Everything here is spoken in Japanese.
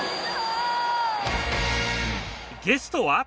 ゲストは。